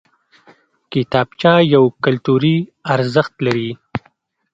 کتابچه یو کلتوري ارزښت لري